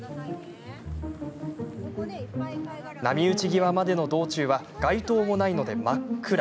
波打ち際までの道中は街灯もないので真っ暗。